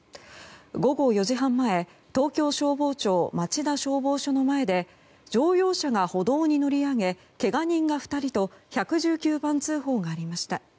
午後４時半前東京消防庁町田消防署の前で乗用車が歩道に乗り上げけが人が２人と１１９番通報がありました。